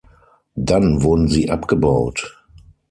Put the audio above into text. Dann wurden sie abgebaut.